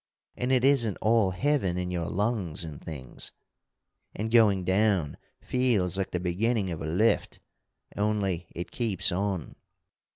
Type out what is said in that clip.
And it isn't all heaven in your lungs and things. And going down feels like the beginning of a lift, only it keeps on.